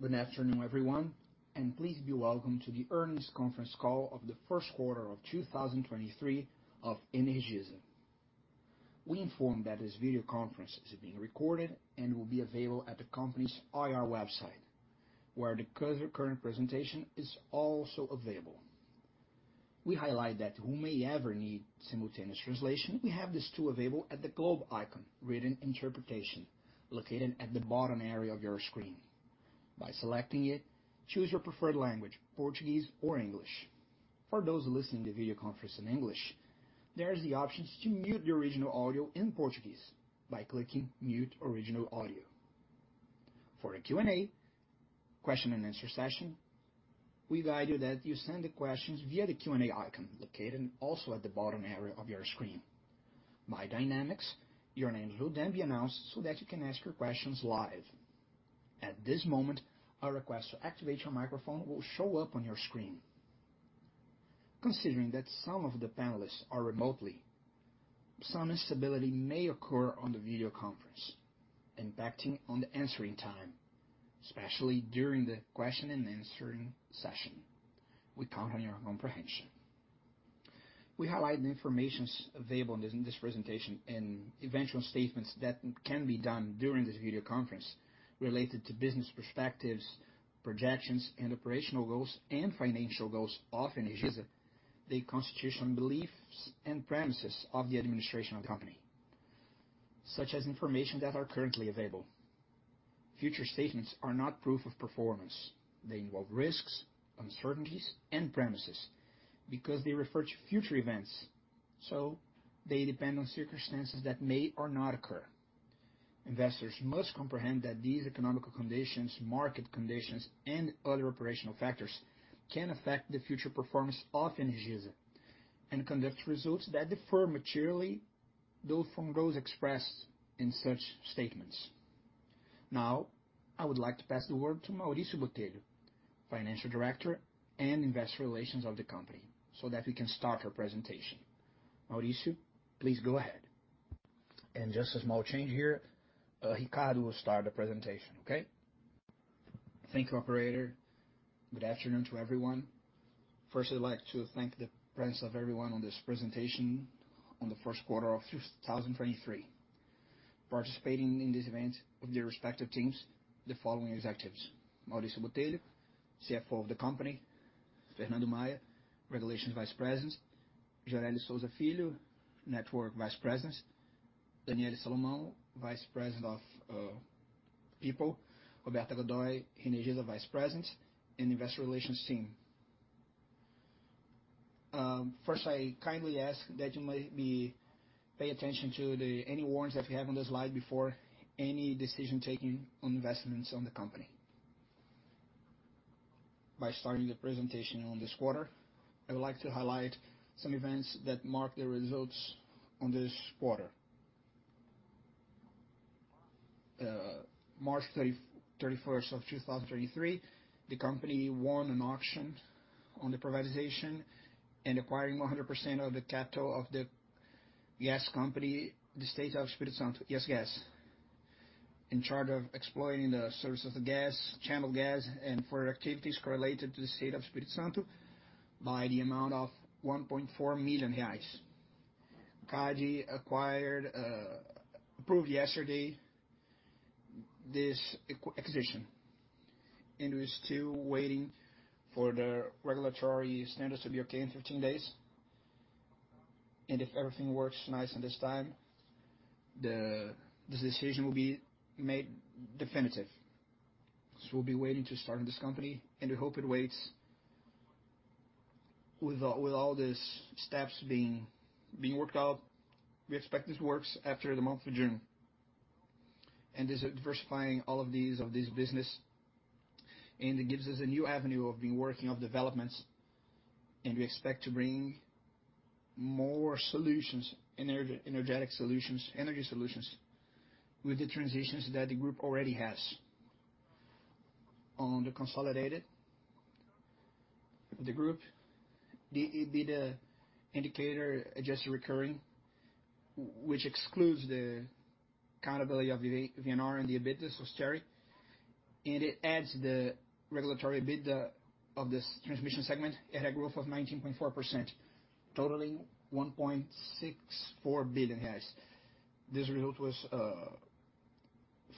Good afternoon, everyone. Please be welcome to the earnings conference call of the first quarter of 2023 of Energisa. We inform that this video conference is being recorded and will be available at the company's IR website, where the current presentation is also available. We highlight that who may ever need simultaneous translation, we have this tool available at the globe icon written interpretation located at the bottom area of your screen. By selecting it, choose your preferred language, Portuguese or English. For those listening to video conference in English, there is the option to mute the original audio in Portuguese by clicking Mute Original Audio. For a Q&A, question and answer session, we guide you that you send the questions via the Q&A icon located also at the bottom area of your screen. By dynamics, your name will then be announced so that you can ask your questions live. At this moment, a request to activate your microphone will show up on your screen. Considering that some of the panelists are remotely, some instability may occur on the video conference, impacting on the answering time, especially during the question and answering session. We count on your comprehension. We highlight the informations available in this presentation and eventual statements that can be done during this video conference related to business perspectives, projections, and operational goals and financial goals of Energisa, the constitutional beliefs and premises of the administration of the company, such as information that are currently available. Future statements are not proof of performance. They involve risks, uncertainties and premises because they refer to future events, so they depend on circumstances that may or not occur. Investors must comprehend that these economical conditions, market conditions, and other operational factors can affect the future performance of Energisa and conduct results that defer materially though from those expressed in such statements. I would like to pass the word to Mauricio Botelho, financial director and investor relations of the company, so that we can start our presentation. Mauricio, please go ahead. Just a small change here, Ricardo will start the presentation. Okay? Thank you, operator. Good afternoon to everyone. I'd like to thank the presence of everyone on this presentation on the 1st quarter of 2023. Participating in this event with their respective teams, the following executives: Mauricio Botelho, CFO of the company, Fernando Maya, Regulations Vice President, Gioreli de Sousa Filho, Network Vice President, Daniele Salomão, Vice President of People, Roberta Godoi, Energisa Vice President, and Investor Relations team. First, I kindly ask that you might be pay attention to any warrants that we have on the slide before any decision-taking on investments on the company. By starting the presentation on this quarter, I would like to highlight some events that mark the results on this quarter. March thirty-first of 2023, the company won an auction on the privatization and acquiring 100% of the capital of the gas company, the state of Espírito Santo, ES Gás, in charge of exploring the source of the gas, channeled gas, and for activities correlated to the state of Espírito Santo by the amount of 1.4 million reais. CADE approved yesterday this acquisition, and we're still waiting for the regulatory standards to be okay in 13 days. If everything works nice in this time, this decision will be made definitive. We'll be waiting to start in this company, and we hope it waits with all these steps being worked out. We expect this works after the month of June. This diversifying all of these, of this business, and it gives us a new avenue of being working on developments, and we expect to bring more solutions, energetic solutions, energy solutions with the transitions that the Group already has. On the consolidated, the Group, the EBITDA indicator adjusted recurring, which excludes the accountability of VNR and the EBITDA of Cherry, and it adds the regulatory EBITDA of this transmission segment at a growth of 19.4%, totaling 1.64 billion BRL. This result was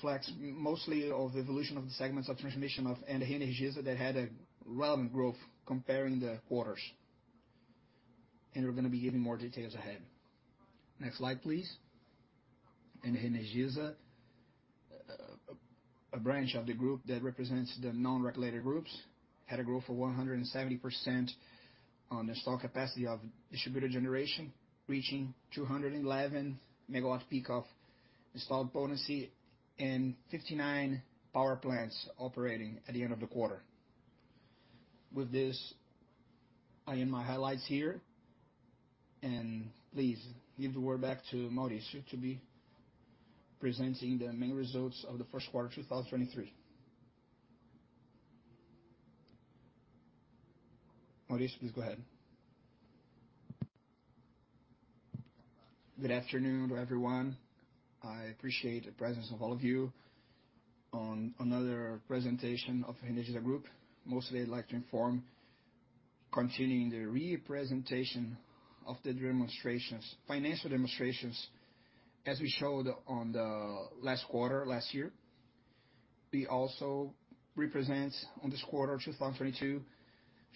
flex mostly of evolution of the segments of transmission of and Energisa that had a relevant growth comparing the quarters. We're gonna be giving more details ahead. Next slide, please. Energisa, a branch of the group that represents the non-regulated groups, had a growth of 170% on installed capacity of distributed generation, reaching 211 MW peak of installed potency and 59 power plants operating at the end of the quarter. With this, I end my highlights here, and please give the word back to Mauricio to be presenting the main results of the 1st quarter of 2023. Mauricio, please go ahead. Good afternoon to everyone. I appreciate the presence of all of you on another presentation of Energisa Group. Mostly, I'd like to inform, continuing the representation of the financial demonstrations, as we showed on the last quarter, last year. We also represent on this quarter, 2022,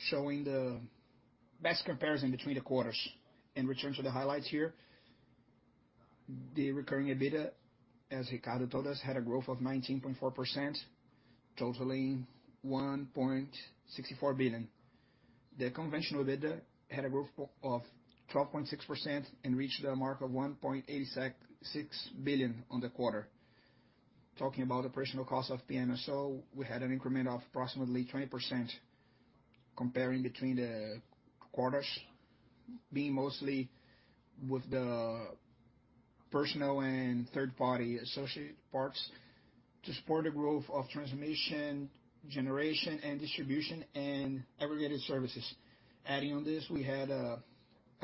showing the best comparison between the quarters. In return to the highlights here, the recurring EBITDA, as Ricardo told us, had a growth of 19.4%, totaling 1.64 billion. The conventional EBITDA had a growth of 12.6% and reached a mark of 1.86 billion on the quarter. Talking about operational costs of PMSO, we had an increment of approximately 20% comparing between the quarters, being mostly with the personal and third-party associate parts to support the growth of transmission, generation, and distribution, and aggregated services. Adding on this, we had a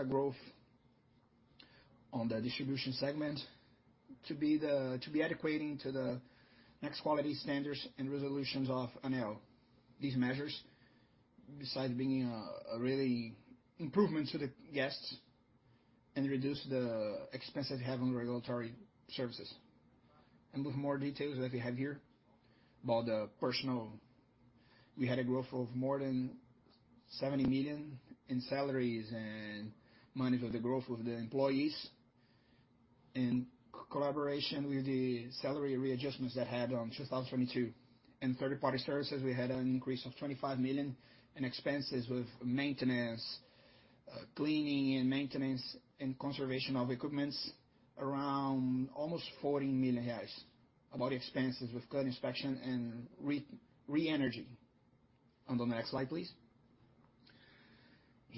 growth on the distribution segment to be adequately to the next quality standards and resolutions of ANEEL. These measures, besides being a really improvement to the guests and reduce the expense that we have on regulatory services. With more details that we have here about the personal, we had a growth of more than 70 million in salaries and monies of the growth of the employees in collaboration with the salary readjustments that had on 2022. Third-party services, we had an increase of 25 million in expenses with maintenance, cleaning and maintenance and conservation of equipment, around almost 40 million reais. Expenses with current inspection and Reenergy. To the next slide, please.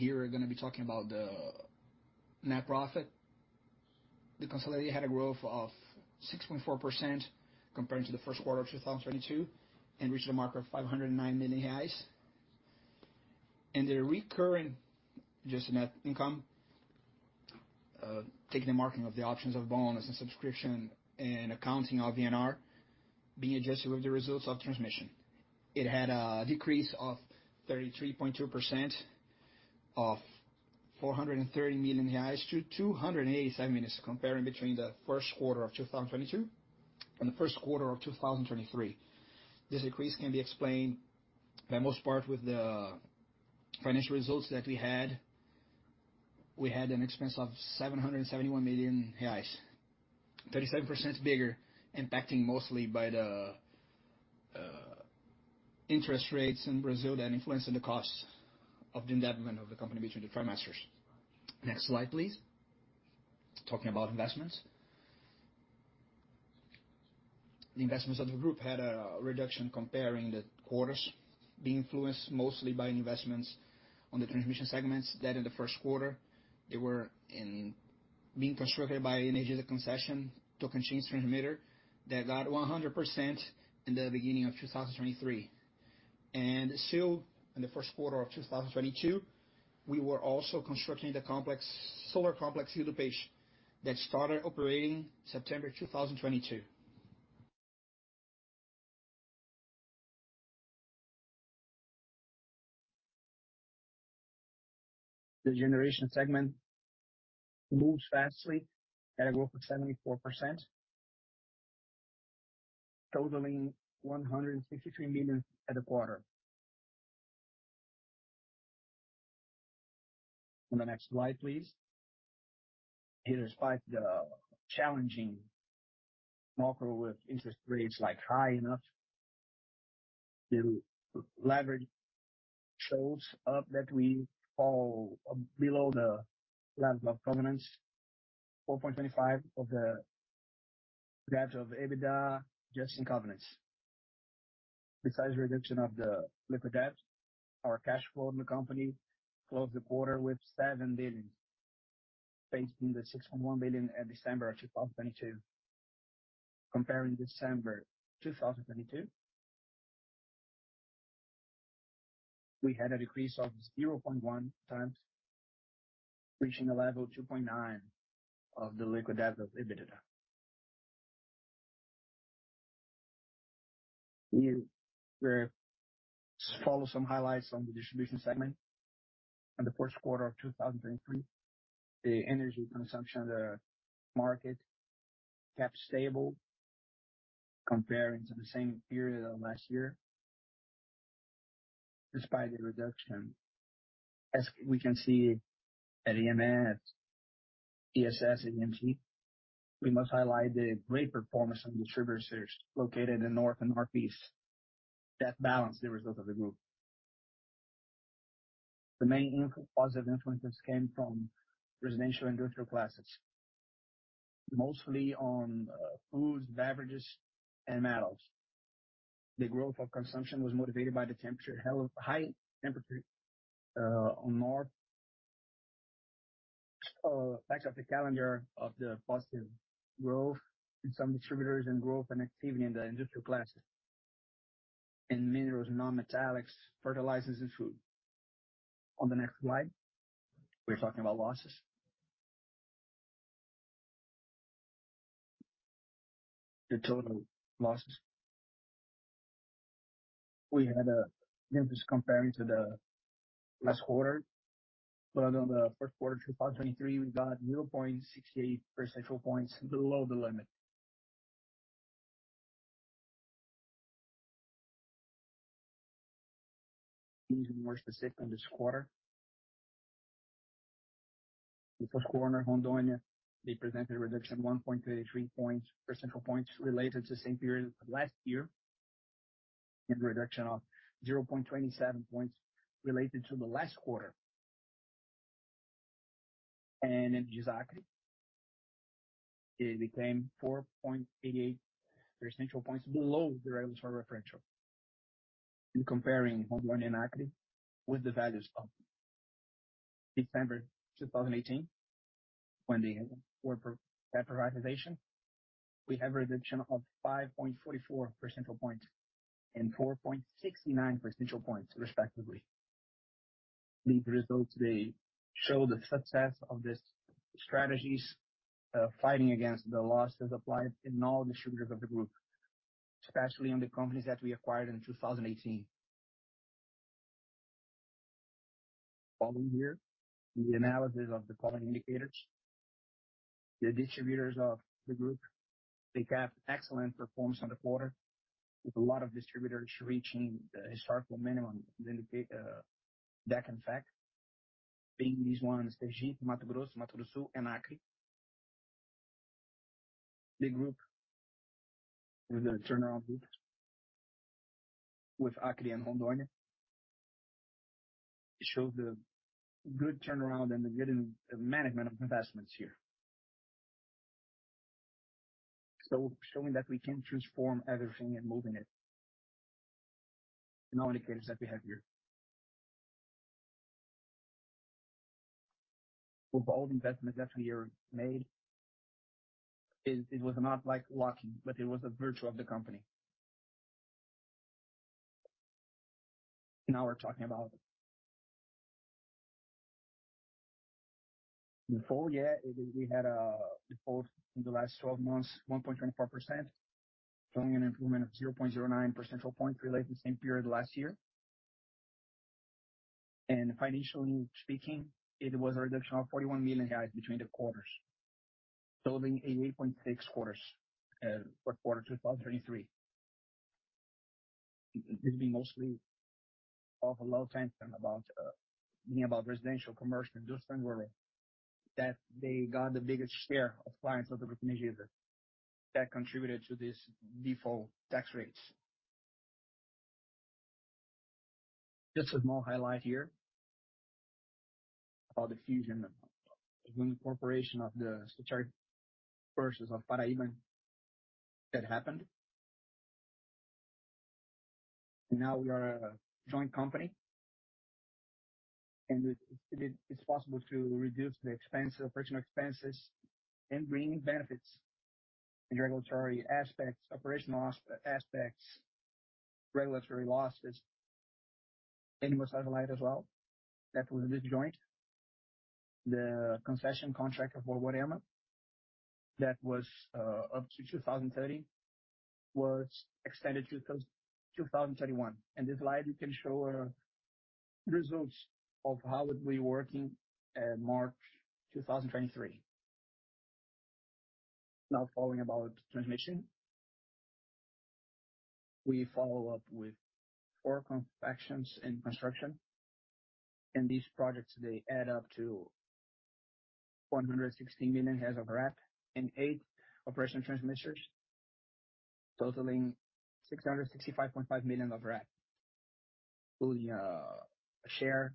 We're gonna be talking about the net profit. The consolidated had a growth of 6.4% compared to the first quarter of 2022 and reached a mark of 509 million. The recurring just net income, taking the marking of the options of bonus and subscription and accounting of VNR being adjusted with the results of transmission. It had a decrease of 33.2% of 430 million-287 million reais, comparing between the first quarter of 2022 and the first quarter of 2023. This decrease can be explained by most part with the financial results that we had. We had an expense of 771 million reais, 37% bigger, impacting mostly by the interest rates in Brazil that influenced the costs of the endowment of the company between the trimesters. Next slide, please. Talking about investments. The investments of the group had a reduction comparing the quarters, being influenced mostly by investments on the transmission segments that in the first quarter, they were being constructed by Energisa concession to continue as transmitter that got 100% in the beginning of 2023. Still, in the first quarter of 2022, we were also constructing the solar complex Rio do Peixe that started operating September 2022. The generation segment moves fastly at a growth of 74%, totaling 163 million at the quarter. On the next slide, please. Here, despite the challenging market with interest rates like high enough, the leverage shows up that we fall below the level of covenants, 4.25 of the debts of EBITDA just in covenants. Besides reduction of the liquid debt, our cash flow in the company closed the quarter with 7 billion, based in the 6.1 billion at December 2022. Comparing December 2022, we had a decrease of 0.1 times, reaching a level 2.9 of the liquid debt of EBITDA. Here, follow some highlights on the distribution segment. On the first quarter of 2023, the energy consumption of the market kept stable comparing to the same period of last year, despite the reduction. As we can see at AM, at ES and MG, we must highlight the great performance of distributors located in North and Northeast that balanced the result of the group. The main positive influences came from residential, industrial classes, mostly on foods, beverages, and metals. The growth of consumption was motivated by the high temperature on North. Back of the calendar of the positive growth in some distributors and growth and activity in the industrial classes. Minerals, non-metallics, fertilizers and food. On the next slide, we're talking about losses. The total losses. We had Just comparing to the last quarter. On the first quarter 2023, we got 0.68 percentage points below the limit. Being more specific on this quarter. The first quarter in Rondônia, they presented a reduction of 1.33 percentage points related to the same period last year, and a reduction of 0.27 percentage points related to the last quarter. In Acre, it became 4.88 percentage points below the regulatory referential. In comparing Rondônia and Acre with the values of December 2018 when they were privatization, we have a reduction of 5.44 percentage points and 4.69 percentage points respectively. These results, they show the success of the strategies fighting against the losses applied in all distributors of the group, especially on the companies that we acquired in 2018. The following year, the analysis of the following indicators. The distributors of the group, they have excellent performance on the quarter, with a lot of distributors reaching the historical minimum, the DEC and FEC. Being these ones, Sergipe, Mato Grosso, Mato Grosso do Sul and Acre. The group, with the turnaround groups, with Acre and Rondonia, show the good turnaround and the good management of investments here. Showing that we can transform everything and moving it. No indicators that we have here. With all the investments that we have made, it was not like lucky, but it was a virtue of the company. Now we're talking about Default, yeah. We had a default in the last 12 months, 1.24%, showing an improvement of 0.09 percentage points related to the same period last year. Financially speaking, it was a reduction of 41 million between the quarters, totaling 88.6 quarters for quarter two 2023. It could be mostly of a low tension about, meaning about residential, commercial, industrial worry, that they got the biggest share of clients of the energy user that contributed to this default tax rates. Just a small highlight here about the fusion of the corporation of the subsidiary purses of Paraíba that happened. Now we are a joint company, it's possible to reduce the expense, operational expenses and bringing benefits in regulatory aspects, operational aspects, regulatory losses. It was highlighted as well that was this joint, the concession contract of Boa Viagem that was up to 2030, was extended to 2021. This slide, we can show results of how it we working at March 2023. Now following about transmission. We follow up with four confections in construction. These projects, they add up to 116 million reais of RAP and eight operational transmitters, totaling BRL 665.5 million of RAP, including a share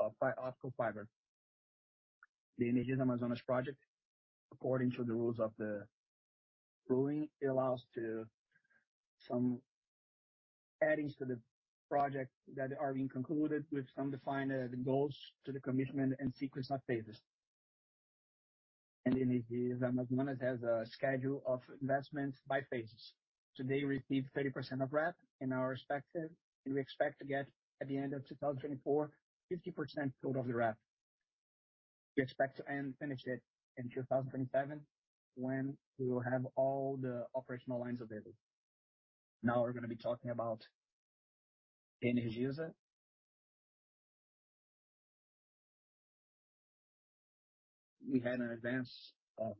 of optical fiber. The Energisa Amazonas project, according to the rules of the ruling, allows to some addings to the project that are being concluded with some defined goals to the commitment and sequence of phases. Energisa Amazonas has a schedule of investments by phases. Today, we received 30% of RAP in our respective, and we expect to get at the end of 2024, 50% total of the RAP. We expect to finish it in 2027, when we will have all the operational lines available. We're gonna be talking about energy user. We had an advance of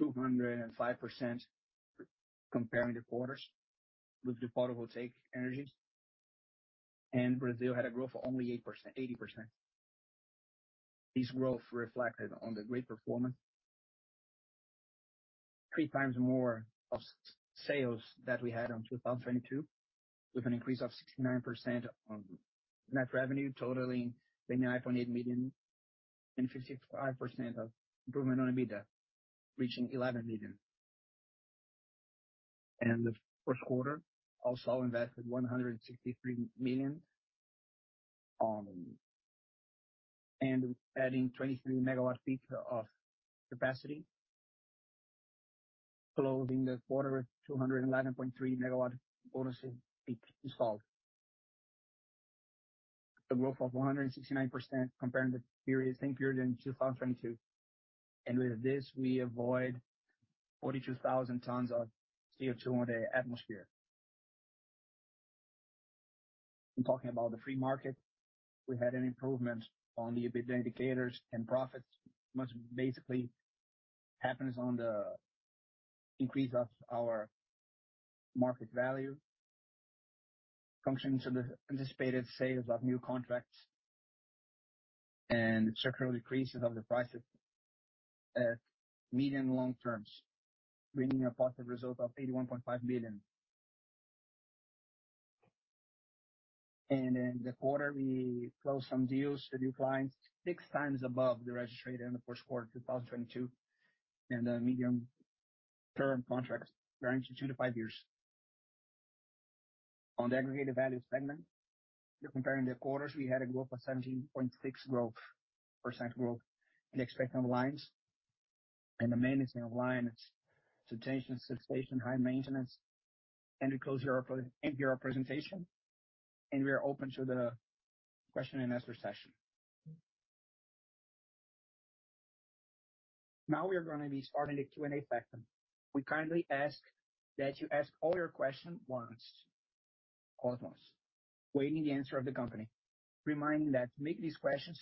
205% comparing the quarters with the photovoltaic energy, and Brazil had a growth of only 80%. This growth reflected on the great performance. Three times more of sales that we had on 2022, with an increase of 69% on net revenue, totaling 99.8 million, and 55% of improvement on EBITDA, reaching 11 billion. The first quarter also invested 163 million on and adding 23 MW peak of capacity. Closing the quarter with 211.3 MW bonuses peak installed. A growth of 169% comparing the period, same period in 2022. With this, we avoid 42,000 tons of CO2 in the atmosphere. I'm talking about the free market. We had an improvement on the EBITDA indicators, and profits much basically happens on the increase of our market value. Functions of the anticipated sales of new contracts and structural decreases of the prices at medium long terms, bringing a positive result of 81.5 billion. In the quarter, we closed some deals with new clients six times above the registered in the first quarter of 2022, and the medium term contracts ranging two to five years. On the aggregated value segment, comparing the quarters, we had a 17.6% growth in expecting lines and the maintenance of lines to tension substation high maintenance. To close your presentation, we are open to the question and answer session. Now we are gonna be starting the Q&A session. We kindly ask that you ask all your question once. Pause once, waiting the answer of the company. Reminding that to make these questions,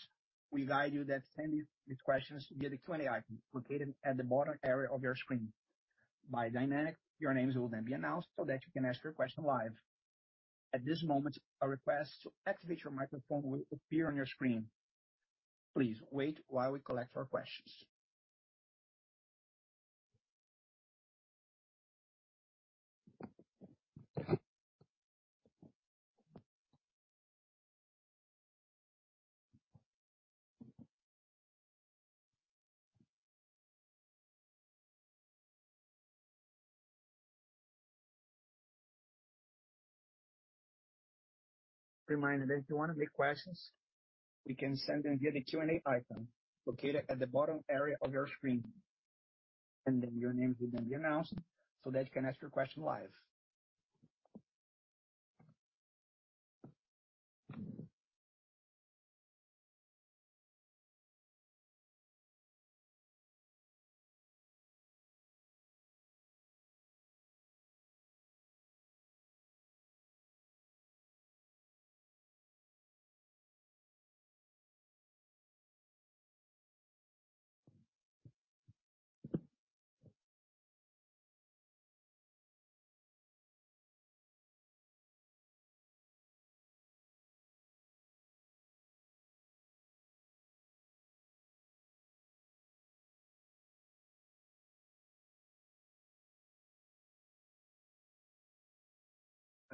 we guide you that send these questions via the Q&A icon located at the bottom area of your screen. By dynamic, your names will then be announced so that you can ask your question live. At this moment, a request to activate your microphone will appear on your screen. Please wait while we collect your questions. Reminding that if you want to make questions, you can send them via the Q&A icon located at the bottom area of your screen, and then your name will then be announced so that you can ask your question live.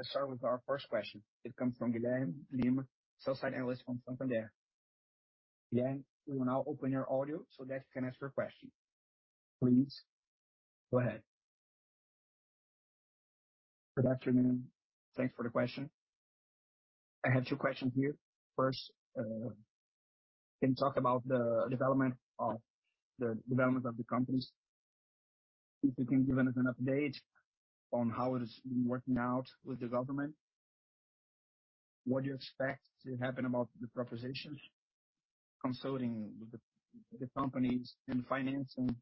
Let's start with our 1st question. It comes from Guilherme Lima, Sell-Side Analyst from Santander. Guilherme Lima, we will now open your audio so that you can ask your question. Please go ahead. Good afternoon. Thanks for the question. I have two questions here. First, can you talk about the development of the companies? If you can give us an update on how it is working out with the government. What do you expect to happen about the proposition consulting with the companies and financing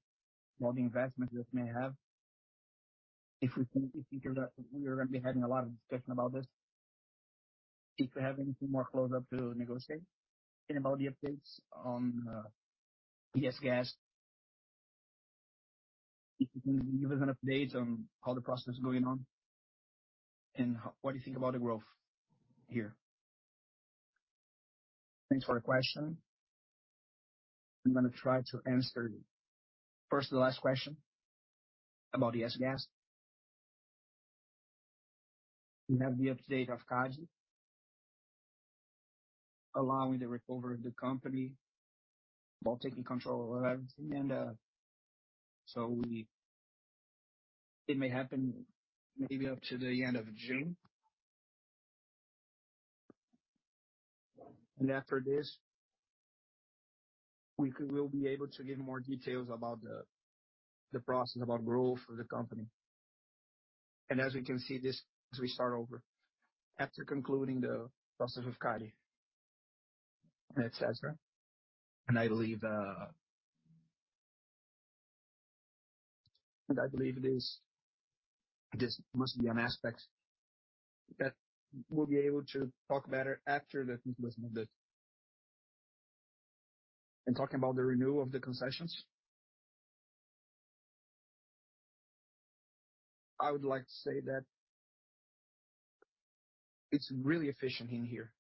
all the investments that may have? If you could, we are gonna be having a lot of discussion about this. If you have anything more close up to negotiate and about the updates on ES Gás. If you can give us an update on how the process is going on and what do you think about the growth here? Thanks for the question. I'm gonna try to answer first the last question about ES Gás. We have the update of CADE allowing the recovery of the company while taking control over everything. It may happen maybe up to the end of June. After this, we will be able to give more details about the process about growth for the company. As you can see this, as we start over, after concluding the process of CADE, et cetera. I believe it is, this must be an aspect that we'll be able to talk better after the conclusion of this. Talking about the renewal of the concessions. I would like to say that it's really efficient in here.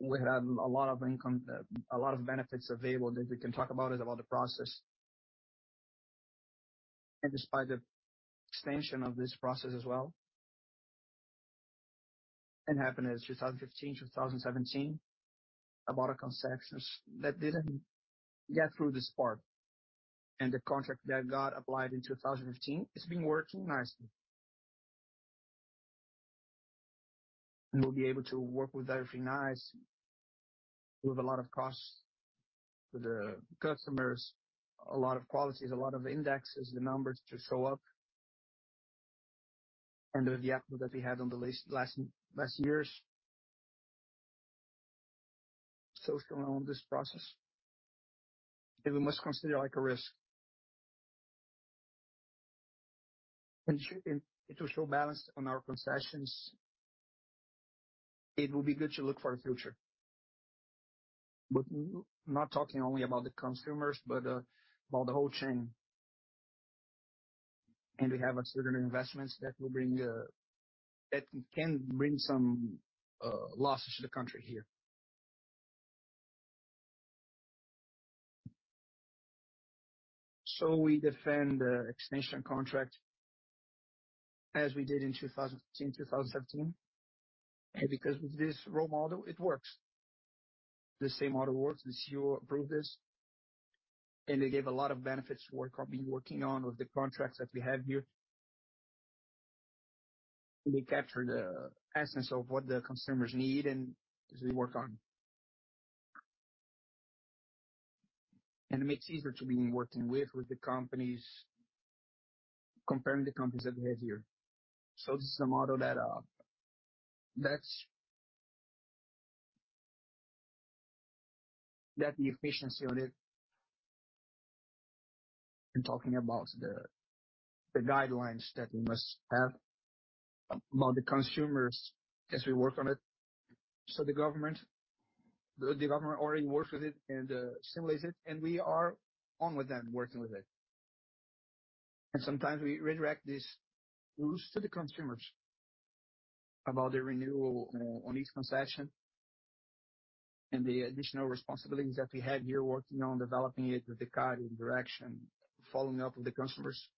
We have a lot of income, a lot of benefits available that we can talk about it, about the process. Despite the extension of this process as well, happened in 2015, 2017, about a concessions that didn't get through this part. The contract that got applied in 2015, it's been working nicely. We'll be able to work with everything nice. We have a lot of costs to the customers, a lot of qualities, a lot of indexes, the numbers to show up. Under the effort that we had on the last years. It's going on this process. That we must consider like a risk. And it will show balance on our concessions. It will be good to look for the future. Not talking only about the consumers, but about the whole chain. We have certain investments that will bring, that can bring some losses to the country here. We defend the extension contract as we did in 2017, because with this role model, it works. The same model works, the CEO approved this, and they gave a lot of benefits to what we've been working on with the contracts that we have here. They capture the essence of what the consumers need and as we work on. It makes it easier to be working with the companies, comparing the companies that we have here. This is a model that the efficiency on it. In talking about the guidelines that we must have about the consumers as we work on it. The government already works with it and, simulates it, and we are on with them working with it. Sometimes we redirect these rules to the consumers about the renewal on each concession and the additional responsibilities that we have here working on developing it with the card interaction, following up with the customers.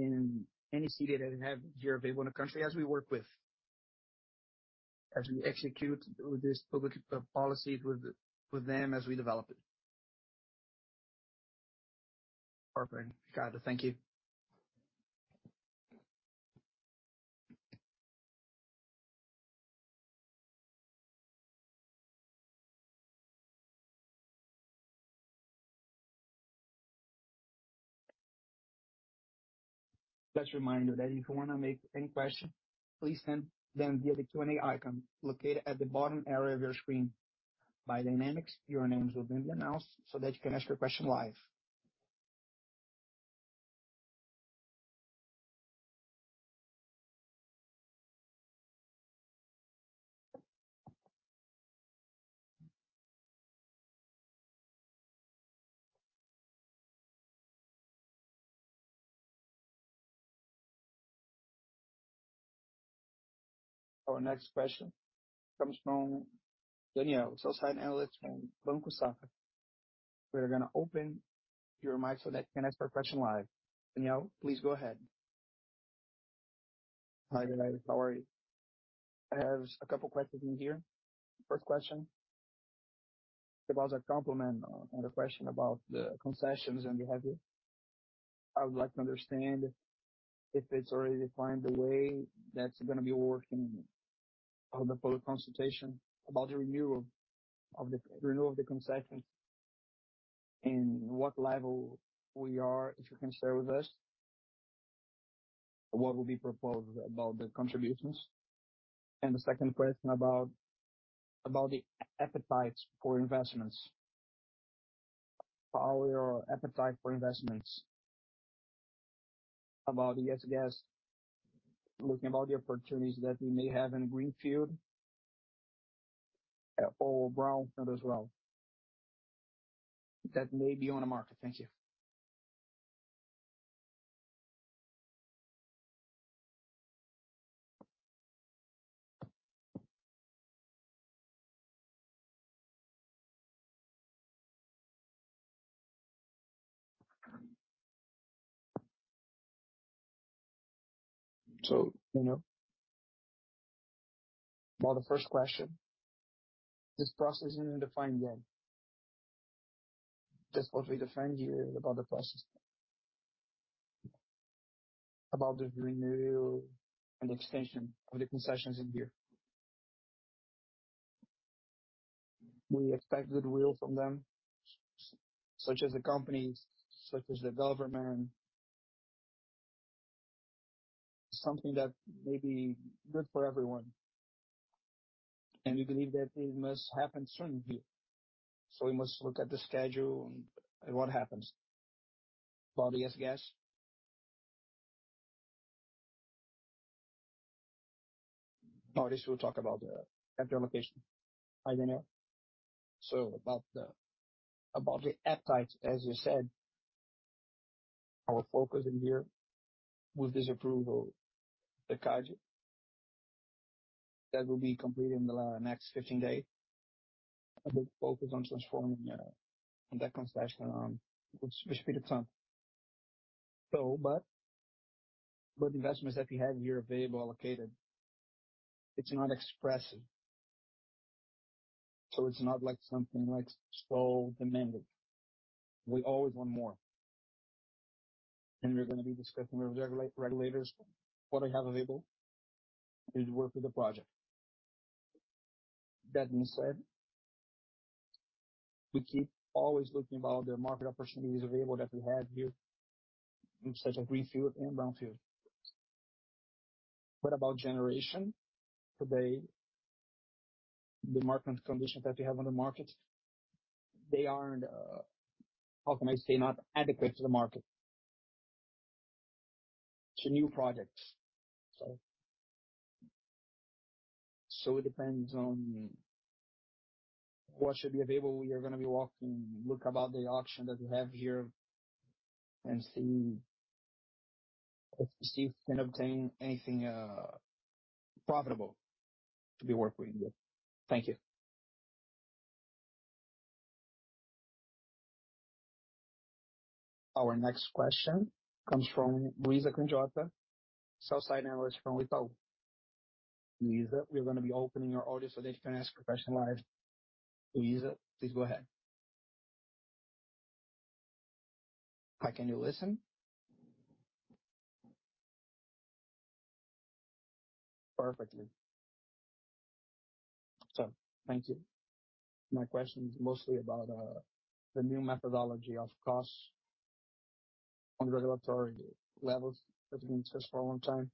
In any city that have here available in the country as we work with. We execute with this public policy with them as we develop it. Perfect. Got it. Thank you. Just a reminder that if you wanna make any question, please send them via the Q&A icon located at the bottom area of your screen. By dynamics, your names will be announced so that you can ask your question live. Our next question comes from Daniel, Senior Equity Analyst from Banco Safra. We are gonna open your mic so that you can ask your question live. Daniel, please go ahead. Hi, good night. How are you? I have a couple questions in here. First question, it was a compliment on the question about the concessions and we have here. I would like to understand if it's already defined the way that's gonna be working on the public consultation about the renewal of the concessions, and what level we are, if you can share with us. What will be proposed about the contributions. The second question about the appetites for investments. Our appetite for investments. About the gas, looking about the opportunities that we may have in Greenfield or Brownfield as well. That may be on the market. Thank you. you know. Well, the first question, this process isn't defined yet. That's what we defined here about the process. About the renewal and extension of the concessions in here. We expect good will from them, such as the companies, such as the government. Something that may be good for everyone. We believe that it must happen soon here. We must look at the schedule and what happens. About the gas. Aristides will talk about the after location. Hi, Daniel. About the appetite, as you said, our focus in here with this approval, the CADE, that will be completed in the next 15 day. A big focus on transforming on that concession with speed of time. But investments that we have here available, allocated, it's not expressive. It's not like something like so demanded. We always want more. We're gonna be discussing with regulators what they have available and work with the project. That being said, we keep always looking about the market opportunities available that we have here in such as greenfield and brownfield. What about generation? Today, the market conditions that we have on the market, they aren't not adequate to the market. To new projects. It depends on what should be available. We are gonna be walking, look about the option that we have here and see if we can obtain anything profitable to be working with. Thank you. Our next question comes from Luiza Quintão, sell-side analyst from Vita. Luiza, we are gonna be opening your audio so that you can ask your question live. Luiza, please go ahead. Hi, can you listen? Perfectly. Thank you. My question is mostly about the new methodology of costs on regulatory levels that have been discussed for a long time.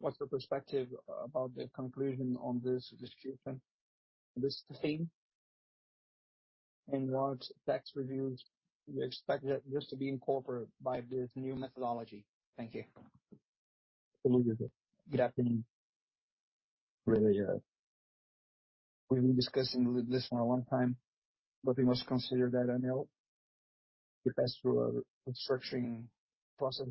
What's your perspective about the conclusion on this distribution, this theme, and what tax reviews do you expect that this to be incorporated by this new methodology? Thank you. Good afternoon. Really, we've been discussing this for a long time. We must consider that ANEEL, it passed through a restructuring process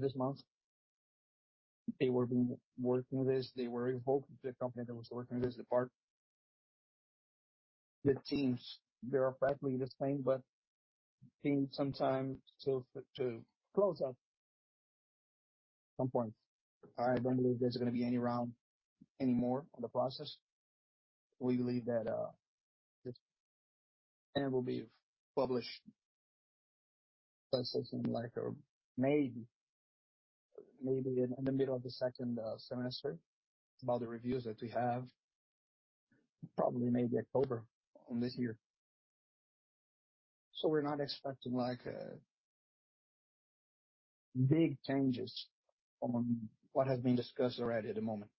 this month. They were doing work in this. They were involved, the company that was working with this department. The teams, they are practically the same. Take some time to close up some points. I don't believe there's gonna be any round anymore on the process. We believe that this ANEEL will be published by something like, or maybe in the middle of the 2nd semester about the reviews that we have. Probably maybe October on this year. We're not expecting like big changes from what has been discussed already at the moment.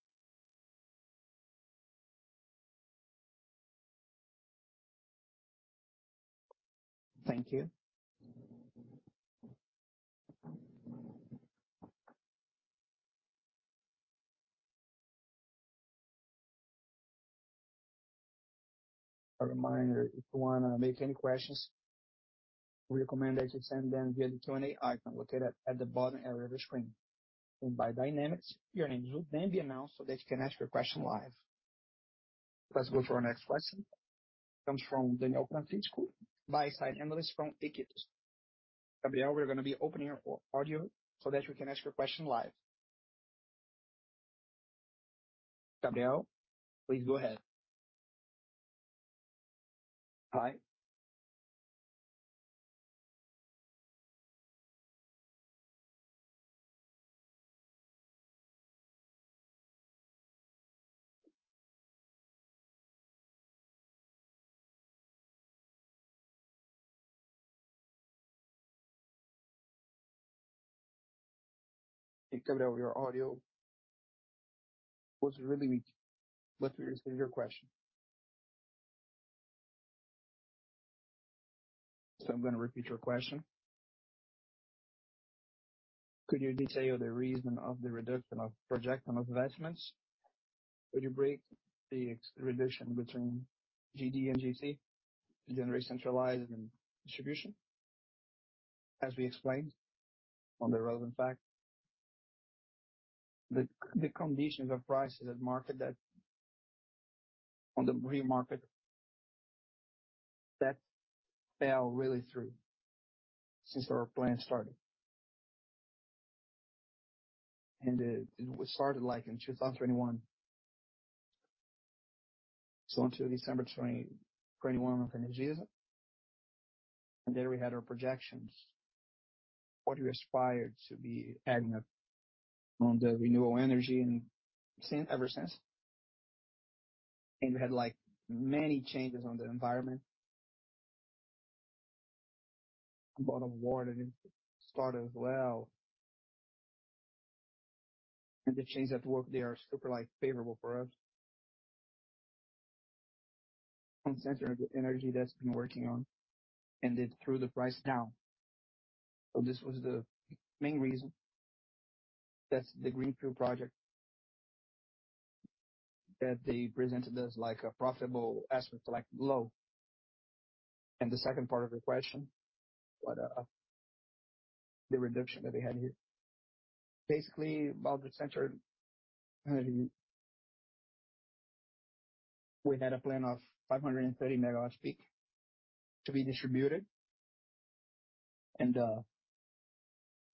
Thank you. A reminder, if you wanna make any questions, we recommend that you send them via the Q&A icon located at the bottom area of your screen. By Dynamics, your names will then be announced so that you can ask your question live. Let's go for our next question. Comes from Gabriel Fonseca, buy-side analyst from Equitas. Gabriel, we're gonna be opening your audio so that you can ask your question live. Gabriel, please go ahead. Hi. Gabriel, your audio was really weak, but we received your question. I'm gonna repeat your question. Could you detail the reason of the reduction of projection of investments? Could you break the ex-reduction between GD and GC, generation centralized and distribution? As we explained on the relevant fact, the conditions of prices at market On the free market, that fell really through since our plan started. We started like in 2021. Until December 2021 with Energisa, and there we had our projections. What we aspired to be adding up on the renewable energy ever since. We had, like, many changes on the environment. About award and start as well. The changes that work there are super, like, favorable for us. On center energy that's been working on, and it threw the price down. This was the main reason. That's the Greenfield project. They presented as like a profitable aspect, like low. The second part of your question, what, the reduction that we had here. Basically, about the center energy, we had a plan of 530 MW peak to be distributed.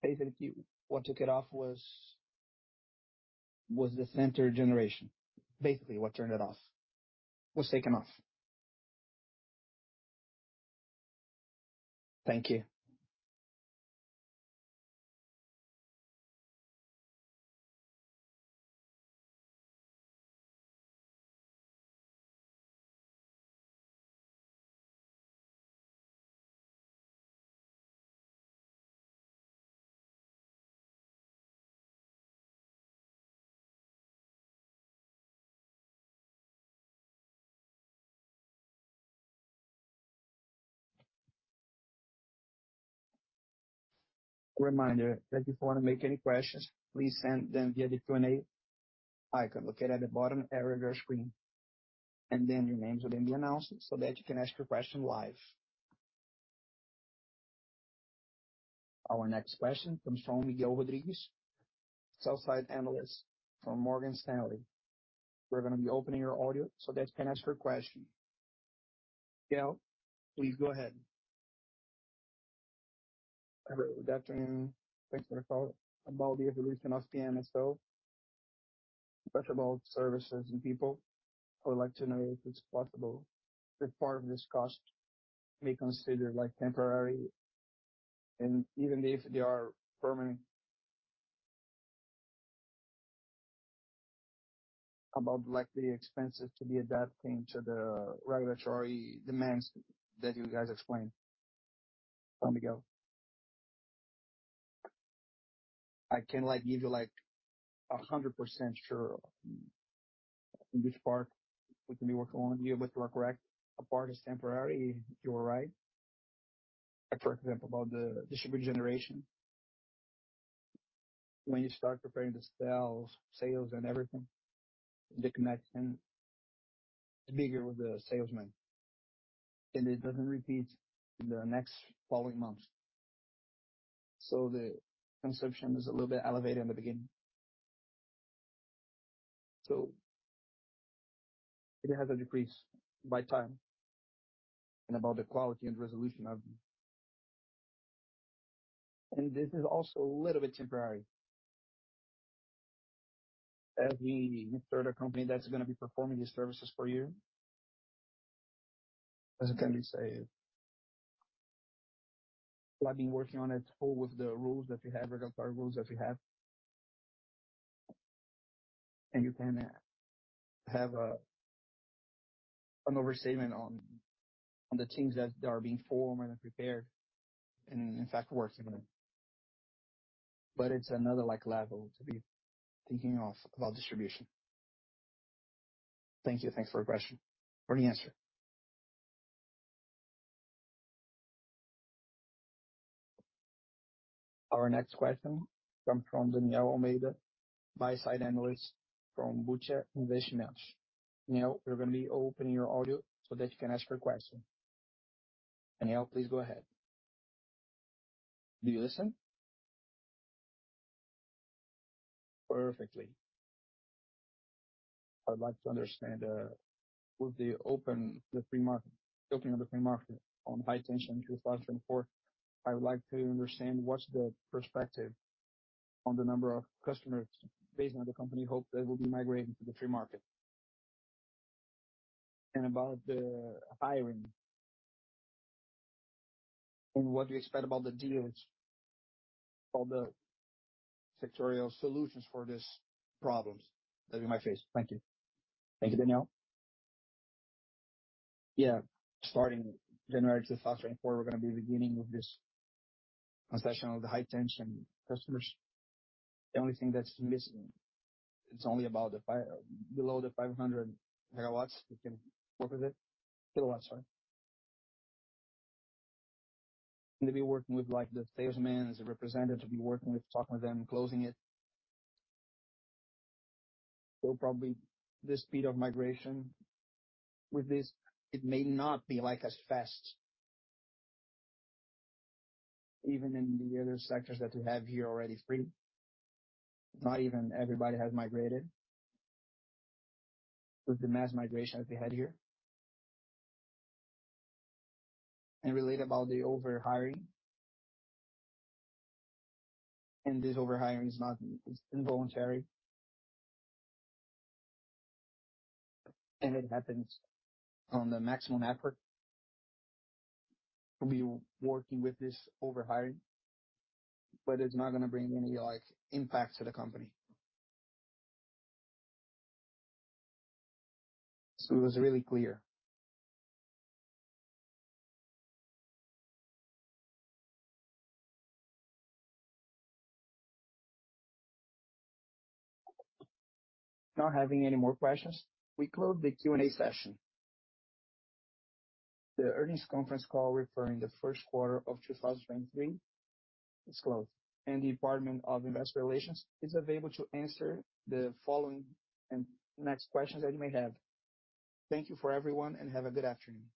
Basically what took it off was the center generation. Basically what turned it off, was taken off. Thank you. Reminder that if you wanna make any questions, please send them via the Q&A icon located at the bottom area of your screen. Your names will then be announced so that you can ask your question live. Our next question comes from Miguel Rodriguez, sell-side analyst from Morgan Stanley. We're gonna be opening your audio so that you can ask your question. Miguel, please go ahead. Good afternoon. Thanks for the call. About the evolution of PMSO, especially about services and people, I would like to know if it's possible that part of this cost may consider like temporary and even if they are permanent. About like the expenses to be adapting to the regulatory demands that you guys explained. From Miguel. I can't like give you like 100% sure on which part we can be working on. You're able to work correct. A part is temporary, you are right. Like for example, about the distributed generation. When you start preparing the sales and everything, the connection is bigger with the salesman. It doesn't repeat in the next following months. The consumption is a little bit elevated in the beginning. It has a decrease by time and about the quality and resolution. This is also a little bit temporary. As any third company that's going to be performing these services for you, as it can be said, we have been working on it full with the rules that we have, regulatory rules that we have. You can have an overstatement on the teams that are being formed and prepared and in fact working on it. It's another like level to be thinking of about distribution. Thank you. Thanks for your question for the answer. Our next question comes from Daniel Almeida, Sell-Side Analyst from BTG Pactual. Daniel, we're going to be opening your audio so that you can ask your question. Daniel, please go ahead. Do you listen? Perfectly. I'd like to understand, with the free market, opening of the free market on high tension 2004, I would like to understand what's the perspective on the number of customers based on the company hope that will be migrating to the free market. About the hiring, and what you expect about the deals, all the sectorial solutions for these problems that we may face. Thank you. Thank you, Daniel. Starting January 2004, we're gonna be beginning with this concession of the high tension customers. The only thing that's missing, it's only about below the 500 MW, we can work with it. KW, sorry. To be working with like the salesman, the representative, talking with them, closing it. Probably the speed of migration with this, it may not be like as fast. Even in the other sectors that we have here already free, not even everybody has migrated with the mass migration that we had here. Relate about the over-hiring, and this over-hiring is not. It's involuntary. It happens on the maximum effort. We'll be working with this over-hiring, but it's not gonna bring any like impact to the company. It was really clear. Not having any more questions, we close the Q&A session. The earnings conference call referring the first quarter of 2003 is closed. The Department of Investor Relations is available to answer the following and next questions that you may have. Thank you for everyone, and have a good afternoon.